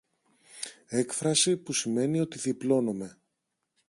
έκφραση που σημαίνει ότι διπλώνομαι